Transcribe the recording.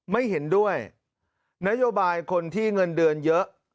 ไม่เห็นด้วยนโยบายคนที่เงินเดือนเยอะ